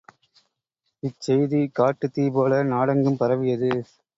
இச் செய்தி காட்டுத்தீ போல நாடெங்கும் பரவியது.